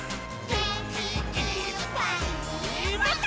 「げんきいっぱいもっと」